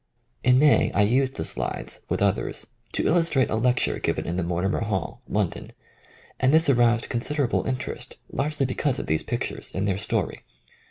In May I used the slides, with others, to illustrate a lecture given in the Mortimer Hall, London, and this aroused considerable interest, largely because of these pictures and their story.